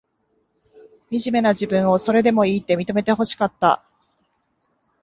みじめな自分を、それでもいいって、認めてほしかった。